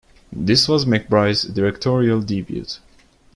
This was McBride's directorial debut.